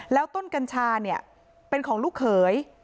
แล้วต้นกัญชาเนี่ยเป็นของลูกเขย